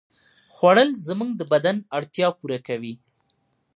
خوړل زموږ د بدن اړتیا پوره کوي